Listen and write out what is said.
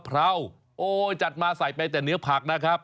เพราโอ้จัดมาใส่ไปแต่เนื้อผักนะครับ